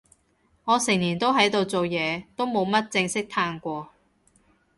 我成年都喺度做嘢，都冇乜正式嘆過